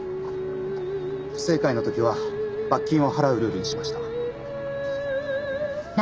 不正解の時は罰金を払うルールにしました。